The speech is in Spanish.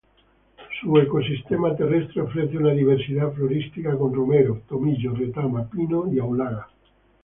Su ecosistema terrestre ofrece una diversidad florística con romero, tomillo, retama, pino y aulaga.